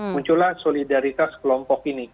muncullah solidaritas kelompok ini